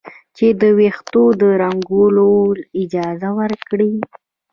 چې د ویښتو د رنګولو اجازه ورکړي.